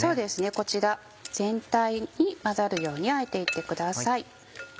こちら全体に混ざるようにあえて行ってください。